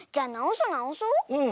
うん。